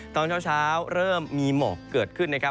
ตอนเช้าเริ่มมีหมอกเกิดขึ้นนะครับ